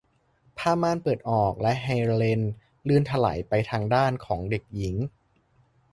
ผ้าม่านเปิดออก และเฮเลนลื่นไถลไปทางด้านของเด็กหญิง